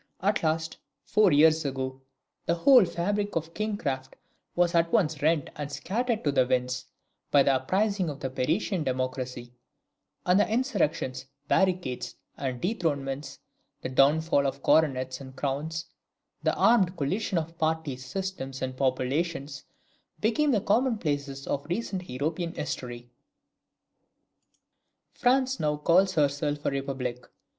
At last, four years ago, the whole fabric of kingcraft was at once rent and scattered to the winds, by the uprising of the Parisian democracy; and insurrections, barricades and dethronements, the downfall of coronets and crowns, the armed collisions of parties, systems, and populations, became the commonplaces of recent European history. France now calls herself a republic.